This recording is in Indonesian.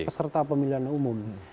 peserta pemilihan umum